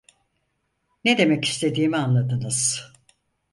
Ne demek istediğimi anladınız.